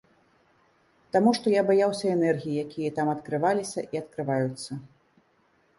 Таму што я баяўся энергій, якія там адкрываліся і адкрываюцца.